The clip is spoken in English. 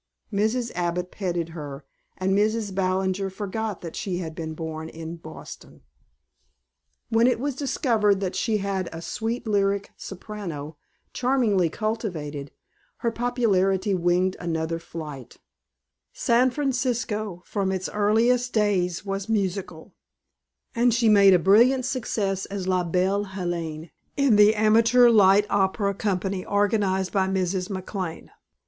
Mrs. Abbott petted her, and Mrs. Ballinger forgot that she had been born in Boston. When it was discovered that she had a sweet lyric soprano, charmingly cultivated, her popularity winged another flight; San Francisco from its earliest days was musical, and she made a brilliant success as La Belle Helene in the amateur light opera company organized by Mrs. McLane.